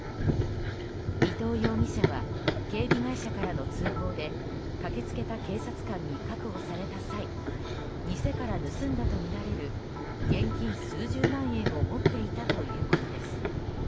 伊藤容疑者は警備会社からの通報で駆け付けた警察官に確保された際店から盗んだとみられる現金数十万円を持っていたということです。